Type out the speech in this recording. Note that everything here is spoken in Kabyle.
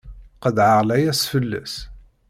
Qeḍɛeɣ layas fell-as!